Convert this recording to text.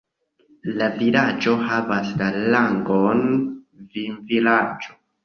La vilaĝo havas la rangon vinvilaĝo.